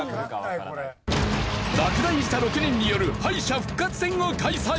落第した６人による敗者復活戦を開催。